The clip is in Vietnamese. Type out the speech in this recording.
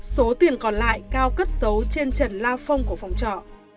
số tiền còn lại cao cất giấu trên trần lao phông của phòng trọ